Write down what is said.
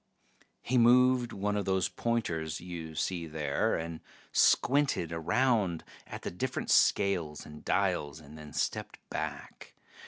He moved one of those pointers you see there, and squinted around at the different scales and dials, and then stepped back.